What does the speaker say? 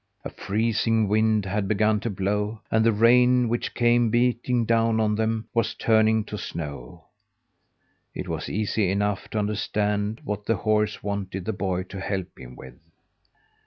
A freezing wind had begun to blow, and the rain which came beating down on them was turning to snow. It was easy enough to understand what the horse wanted the boy to help him with.